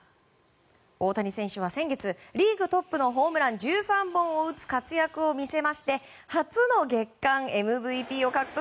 大谷選手は先月、リーグトップのホームラン１３本を打つ活躍を見せまして初の月間ＭＶＰを獲得。